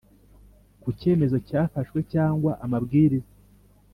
Ku cyemezo cyafashwe cyangwa amabwiriza